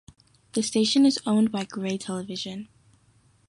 The station is owned by Gray Television.